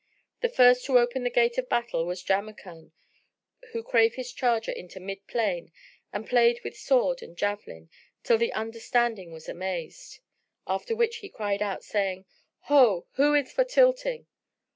The first to open the gate of battle was Jamrkan, who drave his charger into mid plain and played with sword and javelin, till the understanding was amazed; after which he cried out, saying, "Ho! who is for tilting?